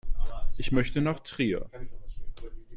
Ich möchte nach Trier